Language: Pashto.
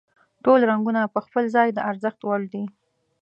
ټول رنګونه په خپل ځای د ارزښت وړ دي.